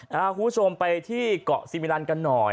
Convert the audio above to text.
คุณผู้ชมไปที่เกาะซิมิลันกันหน่อย